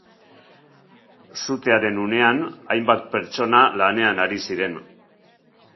Sutearen unean, hainbat pertsona lanean ari ziren.